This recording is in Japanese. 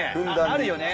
あるよね